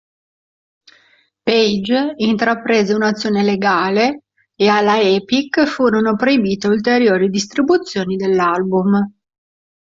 Page intraprese un'azione legale e alla Epic furono proibite ulteriori distribuzioni dell'album.